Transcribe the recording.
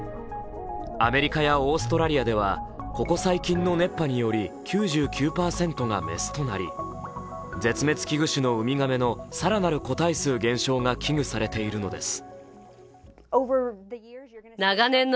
アメリカやオーストラリアではここ最近の熱波により９９％が雌となり、絶滅危惧種のウミガメの更なる個体数減少が危惧されているのです。